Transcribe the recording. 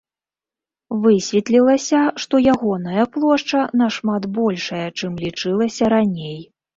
Высветлілася, што ягоная плошча нашмат большая, чым лічылася раней.